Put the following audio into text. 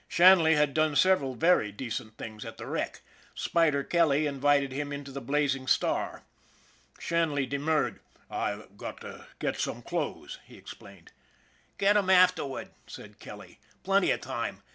Shanley had done several very decent things at the wreck. Spider Kelly invited him into the Blazing Star. Shanley demurred. " I've got to get some clothes," he explained. "Get 'em afterward," said Kelly; "plenty of time.